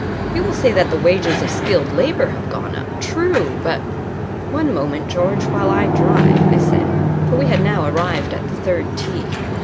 You will say that the wages of skilled labour have gone up. True. But " "One moment, George, while I drive," I said. For we had now arrived at the third tee.